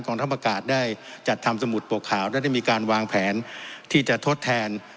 ทัพอากาศได้จัดทำสมุดปกขาวและได้มีการวางแผนที่จะทดแทน